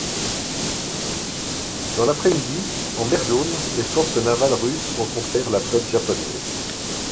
Dans l'après-midi, en mer Jaune, les forces navales russes rencontrèrent la flotte japonaise.